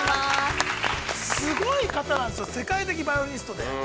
すごい方なんですよ、世界的バイオリニストで。